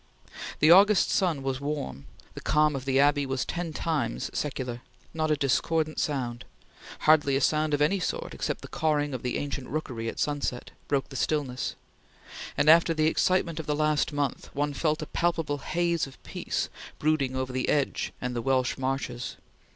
The August sun was warm; the calm of the Abbey was ten times secular; not a discordant sound hardly a sound of any sort except the cawing of the ancient rookery at sunset broke the stillness; and, after the excitement of the last month, one felt a palpable haze of peace brooding over the Edge and the Welsh Marches.